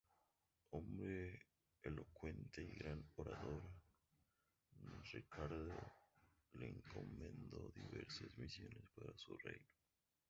Hombre elocuente y gran orador, Recaredo le encomendó diversas misiones para su reino.